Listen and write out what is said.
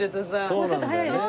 もうちょっと早いですよね。